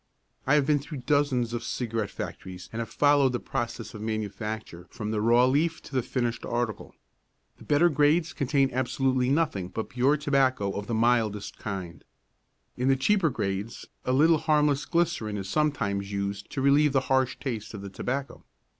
I have been through dozens of cigarette factories and have followed the process of manufacture from the raw leaf to the finished article. The better grades contain absolutely nothing but pure tobacco of the mildest kind. In the cheaper grades a little harmless glycerine is sometimes used to relieve the harsh taste of the tobacco.